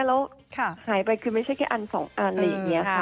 แล้วหายไปคือไม่ใช่แค่อันสองอันอะไรอย่างนี้ค่ะ